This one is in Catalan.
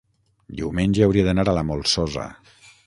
diumenge hauria d'anar a la Molsosa.